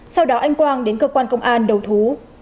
sau đó anh quang đến cơ quan công an đầu thú